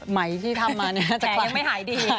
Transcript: ไหมที่ทำมาจะยังไม่หายดี